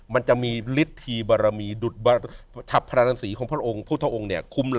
มันจะมีฤทธิบารมีประลำนาสีของพระภังษ์พุทธองค์ค๑๐๒